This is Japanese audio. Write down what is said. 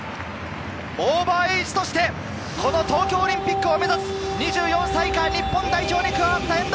オーバーエイジとしてこの東京オリンピックを目指す２４歳以下、日本代表に加わった遠藤。